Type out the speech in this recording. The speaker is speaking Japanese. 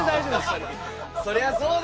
そりゃそうだよね！